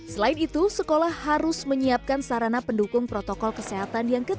selain itu sekolah harus menyiapkan sarana pendukung protokol kesehatan yang ketat